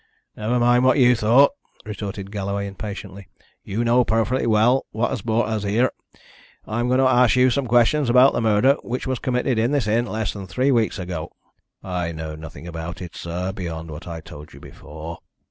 "Never mind what you thought," retorted Galloway impatiently. "You know perfectly well what has brought us here. I'm going to ask you some questions about the murder which was committed in this inn less than three weeks ago." "I know nothing about it, sir, beyond what I told you before."